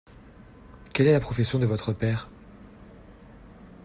Quelle est la profession de votre père ?